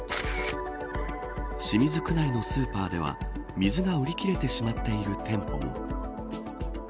清水区内のスーパーでは水が売り切れてしまっている店舗も。